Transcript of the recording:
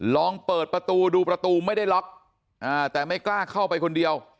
ลองเปิดประตูดูประตูไม่ได้ล็อกแต่ไม่กล้าเข้าไปคนเดียว